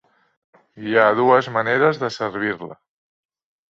Hi ha dues maneres de servir-la.